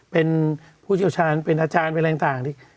เป็นผู้เชี่ยวชาญเป็นอาจารย์เป็นอะไรต่างที่